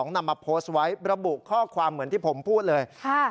นำมาโพสต์ไว้ระบุข้อความเหมือนที่ผมพูดเลย